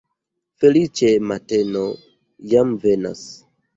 Feliĉe mateno jam venas!